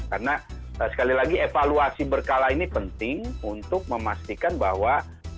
karena sekali lagi evaluasi berkala ini penting untuk memastikan bahwa